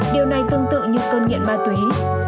điều này tương tự như cơn nghiện ma túy